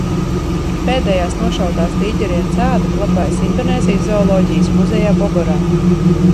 Pēdējās nošautās tīģerienes āda glabājas Indonēzijas Zooloģijas muzejā Bogorā.